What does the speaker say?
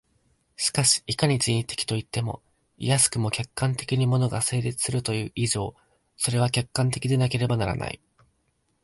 しかしいかに人為的といっても、いやしくも客観的に物が成立するという以上、それは客観的でなければならない。